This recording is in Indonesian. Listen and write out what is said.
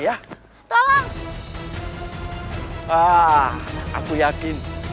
ah aku yakin